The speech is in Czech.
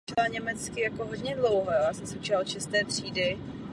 Nyní se kromě politické sféry tibetskou otázkou zabývá i řada neziskových organizací.